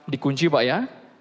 dikunci pak ya